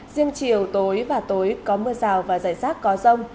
riêng chiều tối và tối có mưa rào và rải rác có rông